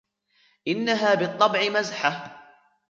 إنها بالطبع مزحة!